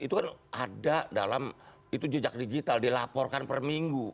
itu kan ada dalam jejak digital dilaporkan perminggu